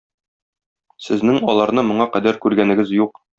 Сезнең аларны моңа кадәр күргәнегез юк!